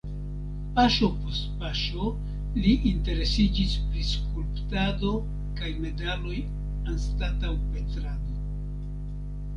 Paŝo post paŝo li interesiĝis pri skulptado kaj medaloj anstataŭ pentrado.